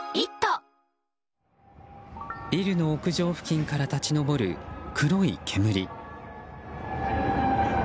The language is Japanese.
ビルの屋上付近から立ち上る黒い煙。